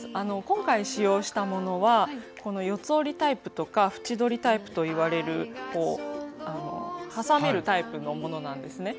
今回使用したものはこの四つ折りタイプとか縁取りタイプといわれるこう挟めるタイプのものなんですね。